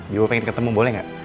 ibu pengen ketemu boleh gak